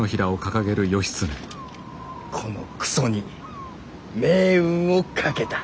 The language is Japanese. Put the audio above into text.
このクソに命運を賭けた！